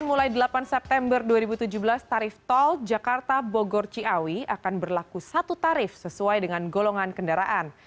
mulai delapan september dua ribu tujuh belas tarif tol jakarta bogor ciawi akan berlaku satu tarif sesuai dengan golongan kendaraan